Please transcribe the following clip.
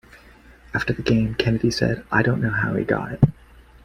After the game Kennedy said, I don't know how he got it.